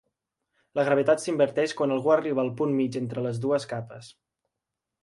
La gravetat s'inverteix quan algú arriba al punt mig entre les dues capes.